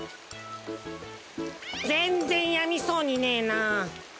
ぜんぜんやみそうにねえなあ。